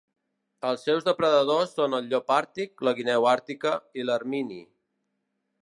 Els seus depredadors són el llop àrtic, la guineu àrtica i l'ermini.